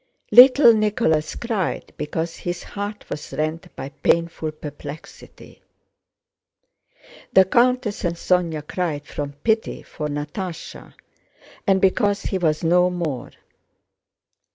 Little Nicholas cried because his heart was rent by painful perplexity. The countess and Sónya cried from pity for Natásha and because he was no more.